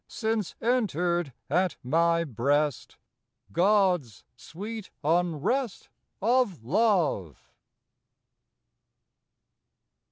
since entered at my breast God's sweet unrest of love!